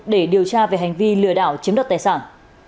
để điều tra về hành vi lừa đảo chiếm đoạt tài sản